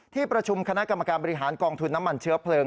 ที่ประชุมคณะกรรมการบริหารกองทุนน้ำมันเชื้อเพลิง